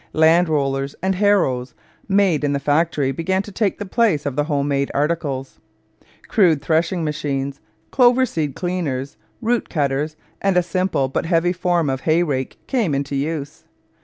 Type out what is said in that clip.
Land rollers and harrows made in the factory began to take the place of the home made articles. Crude threshing machines, clover seed cleaners, root cutters, and a simple but heavy form of hay rake came into use.